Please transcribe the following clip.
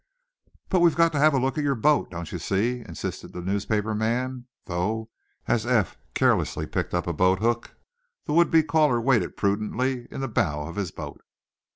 "But we've got to have a look at your boat, don't you see?" insisted the newspaper man, though, as Eph carelessly picked up a boathook, the would be caller waited prudently in the bow of his boat.